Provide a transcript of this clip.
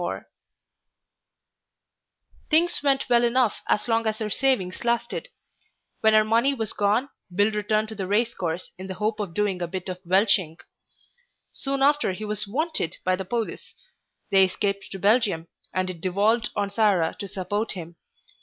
XXXIV Things went well enough as long as her savings lasted. When her money was gone Bill returned to the race course in the hope of doing a bit of welshing. Soon after he was "wanted" by the police; they escaped to Belgium, and it devolved on Sarah to support him.